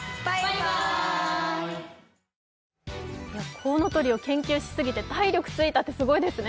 コウノトリを研究しすぎて体力ついたってすごいですね。